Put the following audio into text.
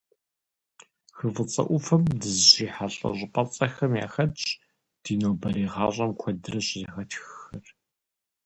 Хы ФӀыцӀэ Ӏуфэм дызыщрихьэлӀэ щӀыпӀэцӀэхэм яхэтщ ди нобэрей гъащӀэм куэдрэ щызэхэтххэр.